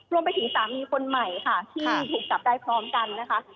รวมไปถึงสามีคนใหม่ค่ะที่ถูกจับได้พร้อมกันนะคะ